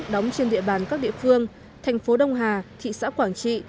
đóng trên địa bàn các địa phương thành phố đông hà thị xã quảng trị